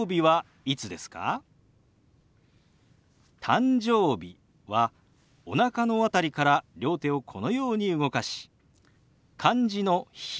「誕生日」はおなかのあたりから両手をこのように動かし漢字の「日」。